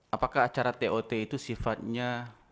apakah acara tot itu sifatnya